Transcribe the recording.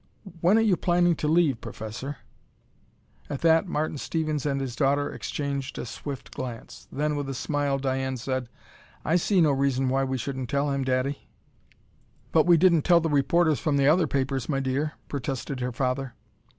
When are you planning to leave, Professor?" At that, Martin Stevens and his daughter exchanged a swift glance. Then, with a smile, Diane said: "I see no reason why we shouldn't tell him, daddy." "But we didn't tell the reporters from the other papers, my dear," protested her father.